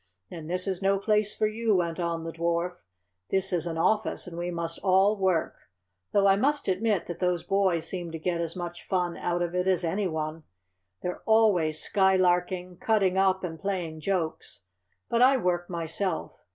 "Then this is no place for you," went on the Dwarf. "This is an office, and we must all work, though I must admit that those boys seem to get as much fun out of it as any one. They're always skylarking, cutting up, and playing jokes. But I work myself.